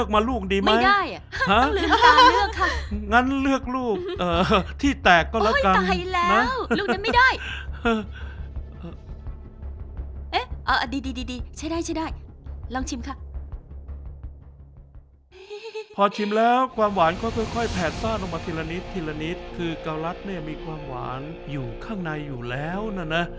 คือกาวรัสมันมีความหวานอยู่ข้างในอยู่แล้วน่ะน่ะ